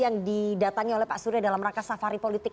yang didatangi oleh pak surya dalam rangka safari politik